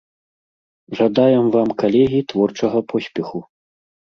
Жадаем вам, калегі, творчага поспеху!